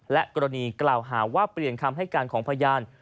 และกรณีกล่าวหาว่าเปลี่ยนคำให้การของพยาน